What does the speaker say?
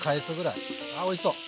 ああおいしそう！